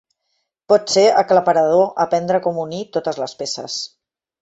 Pot ser aclaparador aprendre com unir totes les peces.